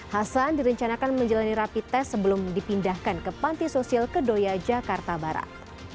hasan direncanakan menjalani rapi tes sebelum dipindahkan ke panti sosial kedoya jakarta barat